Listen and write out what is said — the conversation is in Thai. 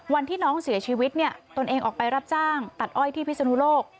วันที่น้องเสียชีวิตเนี่ยตนเองออกไปรับจ้างตัดอ้อยที่พิศนุโลก